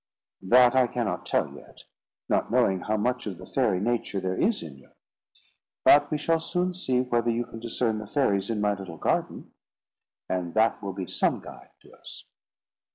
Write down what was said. "That I cannot tell yet, not knowing how much of the fairy nature there is in you. But we shall soon see whether you can discern the fairies in my little garden, and that will be some guide to us."